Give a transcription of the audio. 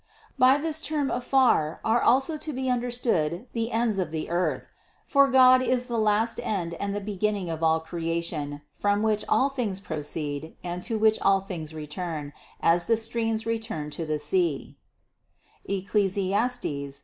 THE CONCEPTION 589 774. By this term "afar" are also to be understood the ends of the earth; for God is the last end and the beginning of all creation, from which all things proceed and to which all things return, as the streams return to the sea (Eccles.